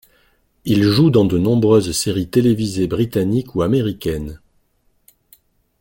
Il joue dans de nombreuses séries télévisées britanniques ou américaines.